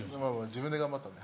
自分で頑張ったんで。